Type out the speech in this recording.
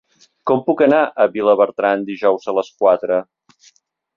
Com puc anar a Vilabertran dijous a les quatre?